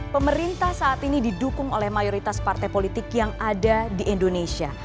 pemerintah saat ini didukung oleh mayoritas partai politik yang ada di indonesia